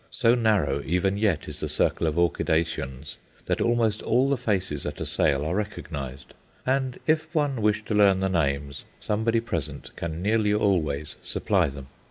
So narrow even yet is the circle of orchidaceans that almost all the faces at a sale are recognized, and if one wish to learn the names, somebody present can nearly always supply them.